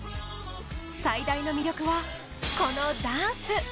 最大の魅力はこのダンス。